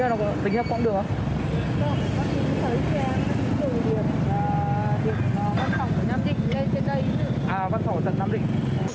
à văn phòng ở tầng nam định